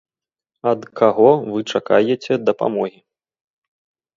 Ад каго вы чакаеце дапамогі?